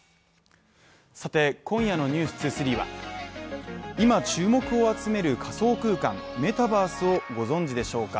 さて今夜の「ｎｅｗｓ２３」は今、注目を集める仮想空間メタバースをご存じでしょうか。